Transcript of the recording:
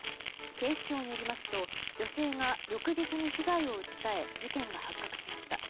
警視庁によりますと女性が翌日に被害を訴え事件が発覚しました。